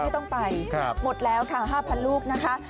ต้องไปหมดแล้วค่ะ๕พันลูกนะคะ